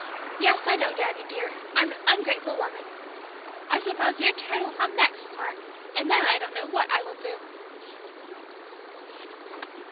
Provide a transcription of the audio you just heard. "Yes, I know, Daddy dear, I'm an ungrateful woman! I suppose your turn will come next, Mark, and then I don't know what I will do!"